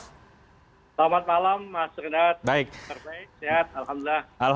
selamat malam mas ridad sehat alhamdulillah